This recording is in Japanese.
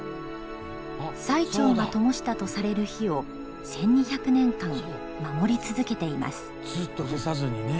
最澄がともしたとされる火を１２００年間守り続けています。